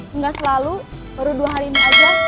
enggak selalu baru dua hari ini aja